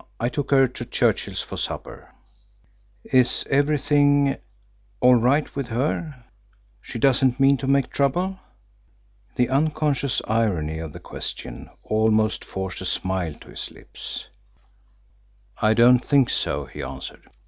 I took her to Churchill's for supper." "Is everything all right with her? She doesn't mean to make trouble?" The unconscious irony of the question almost forced a smile to his lips. "I don't think so," he answered.